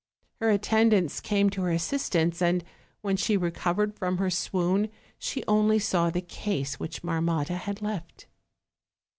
Her attendants came to her assistance, and when she recovered from her swoon she only saw the case which Marmotta had left.